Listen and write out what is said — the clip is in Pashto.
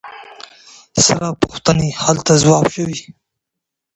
ثره پوښتنې هلته ځواب شوي.